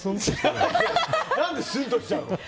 何でスンとしちゃうの。